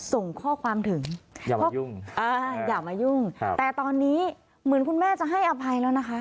ส่งข้อความถึงอย่ามายุ่งอย่ามายุ่งแต่ตอนนี้เหมือนคุณแม่จะให้อภัยแล้วนะคะ